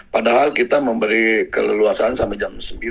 padahal kita memberi keleluasan sampai jam sembilan